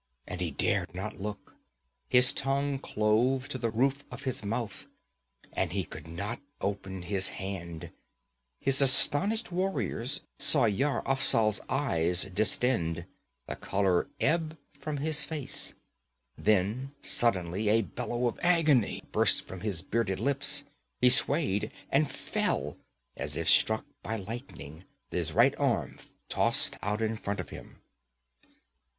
And he dared not look; his tongue clove to the roof of his mouth, and he could not open his hand. His astonished warriors saw Yar Afzal's eyes distend, the color ebb from his face. Then suddenly a bellow of agony burst from his bearded lips; he swayed and fell as if struck by lightning, his right arm tossed out in front of him.